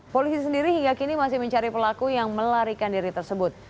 polisi sendiri hingga kini masih mencari pelaku yang melarikan diri tersebut